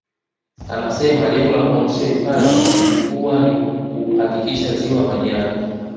Anasema lengo la kuanzishwa hifadhi lilikuwa ni kuhakikisha Ziwa Manyara